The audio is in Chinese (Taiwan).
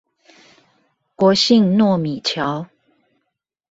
國姓糯米橋